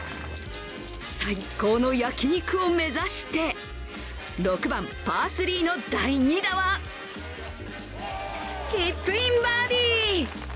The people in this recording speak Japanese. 最高の焼き肉を目指して６番パー３の第２打はチップインバーディー。